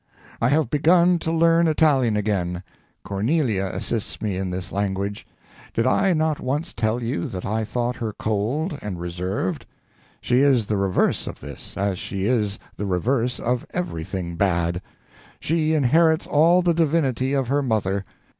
"I have begun to learn Italian again.... Cornelia assists me in this language. Did I not once tell you that I thought her cold and reserved? She is the reverse of this, as she is the reverse of everything bad. She inherits all the divinity of her mother....